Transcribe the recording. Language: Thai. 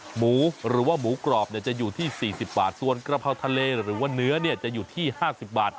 หมูหรือว่าหมูกรอบจะอยู่ที่๔๐บาทส่วนกระเพราทะเลหรือว่าเนื้อเนี่ยจะอยู่ที่๕๐บาท